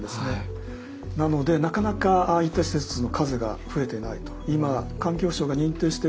なのでなかなかああいった施設の数が増えてないと。